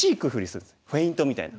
フェイントみたいな。